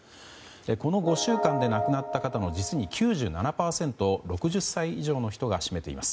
この５週間で亡くなった方の実に９７％を６０歳以上の人が占めています。